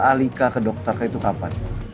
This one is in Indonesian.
alika ke dokter itu kapan